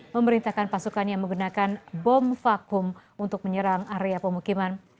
memerintahkan pasukan yang menggunakan bom vakum untuk menyerang area pemukiman